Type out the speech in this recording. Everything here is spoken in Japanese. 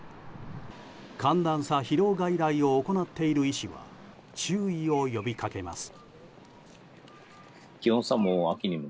寒暖差疲労外来を行っている医師は注意を呼びかけます。